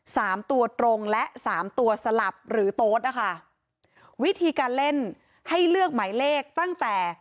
สามตัวตรงและสามตัวสลับหรือโต๊ดนะคะวิธีการเล่นให้เลือกหมายเลขตั้งแต่